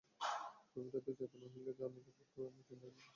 গভীর রাতে চেতনা ফিরলে জানতে পারেন, তিনি এনাম মেডিকেল কলেজ হাসপাতালে আছেন।